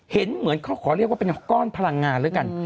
เหมือนเขาขอเรียกว่าเป็นก้อนพลังงานแล้วกัน